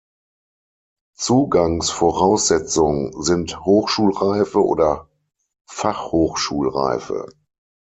Zugangsvoraussetzung sind Hochschulreife oder Fachhochschulreife.